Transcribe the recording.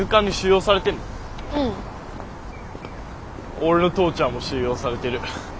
俺の父ちゃんも収容されてる。